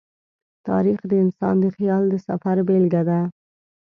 تاریخ د انسان د خیال د سفر بېلګه ده.